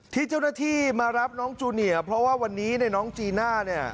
ที่เจ้าหน้าที่มารับน้องจูเนียเพราะว่าวันนี้ในน้องจีน่าเนี่ย